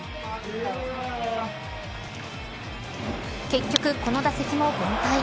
結局、この打席も凡退。